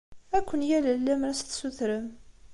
Ad ken-yalel lemmer ad as-tessutrem.